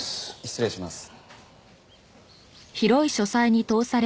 失礼します。